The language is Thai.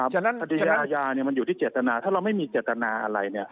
พอดียายามันอยู่ที่เจตนาถ้าเราไม่มีเจตนาอะไร